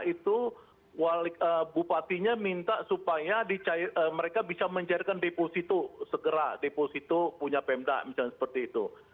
itu bupatinya minta supaya mereka bisa mencairkan deposito segera deposito punya pemda misalnya seperti itu